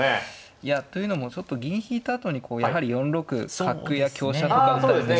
いやというのもちょっと銀引いたあとにやはり４六角や香車とか打たれてしまって。